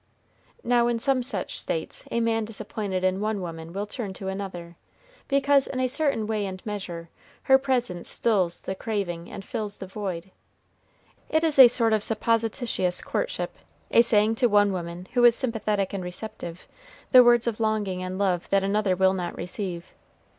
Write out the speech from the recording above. Now, in some such states, a man disappointed in one woman will turn to another, because, in a certain way and measure, her presence stills the craving and fills the void. It is a sort of supposititious courtship, a saying to one woman, who is sympathetic and receptive, the words of longing and love that another will not receive.